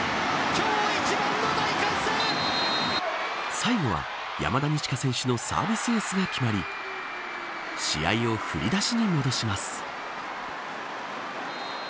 最後は、山田二千華選手のサービスエースが決まり試合を振り出しに戻します。